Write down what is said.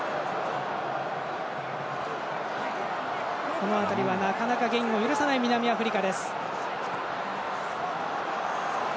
この辺りは、なかなかゲインを許さない南アフリカです。